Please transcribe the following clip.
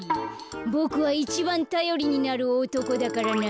ボクはいちばんたよりになるおとこだからな。